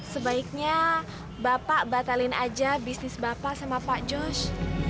sebaiknya bapak batalin aja bisnis bapak sama pak jus